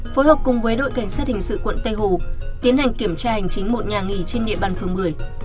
phối hợp cùng với đội cảnh sát hình sự quận tây hồ tiến hành kiểm tra hành chính một nhà nghỉ trên địa bàn phường một mươi